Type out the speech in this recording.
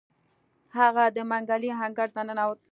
هغه د منګلي انګړ ته ننوت.